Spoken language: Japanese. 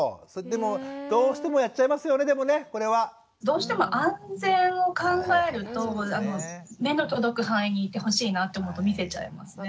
でもどうしてもやっちゃいますよねでもねこれは。どうしても安全を考えると目の届く範囲にいてほしいなと思うと見せちゃいますね。